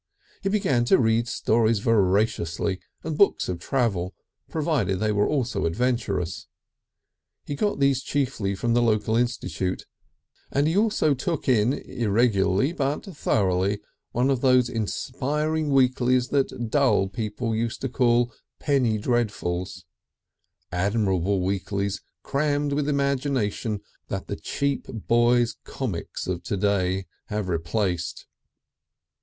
He began to read stories voraciously, and books of travel, provided they were also adventurous. He got these chiefly from the local institute, and he also "took in," irregularly but thoroughly, one of those inspiring weeklies that dull people used to call "penny dreadfuls," admirable weeklies crammed with imagination that the cheap boys' "comics" of to day have replaced.